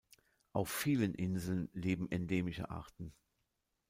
Auf vielen Inseln leben endemische Arten.